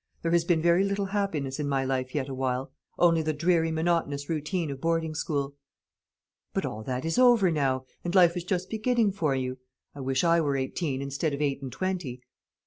There has been very little happiness in my life yet awhile, only the dreary monotonous routine of boarding school." "But all that is over now, and life is just beginning for you. I wish I were eighteen instead of eight and twenty."